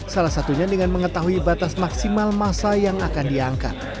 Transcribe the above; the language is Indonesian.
salah satunya dengan mengetahui batas maksimal masa yang akan diangkat